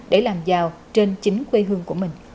để làm giàu trên chính quê hương của mình